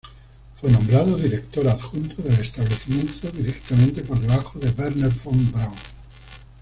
Fue nombrado director adjunto del establecimiento, directamente por debajo de Wernher von Braun.